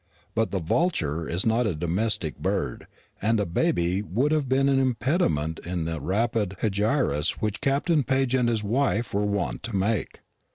But the vulture is not a domestic bird, and a baby would have been an impediment in the rapid hegiras which Captain Paget and his wife were wont to make.